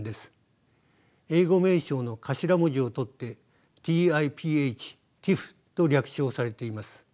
英語名称の頭文字を取ってＴＩＰＨティフと略称されています。